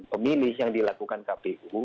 pemilih yang dilakukan kpu